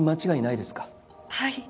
はい。